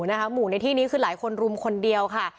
ประจำที่มวยหมู่ในที่นี้คือหลายคนรุมคนเดียวค่ะ